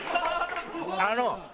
あの。